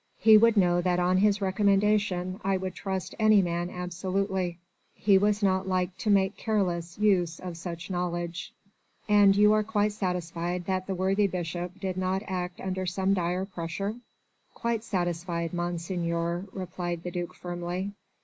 He would know that on his recommendation I would trust any man absolutely. He was not like to make careless use of such knowledge." "And you are quite satisfied that the worthy Bishop did not act under some dire pressure ...?" "Quite satisfied, Monseigneur," replied the duc firmly.